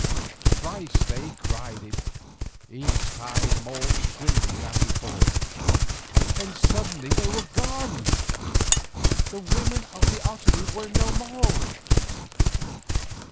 _" Thrice they cried it, each time more shrilly than before, then suddenly they were gone, the women of the Otomie were no more!